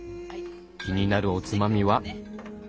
気になるおつまみは？